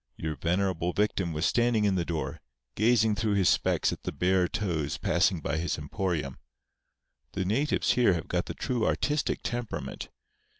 Your venerable victim was standing in the door, gazing through his specs at the bare toes passing by his emporium. The natives here have got the true artistic temperament.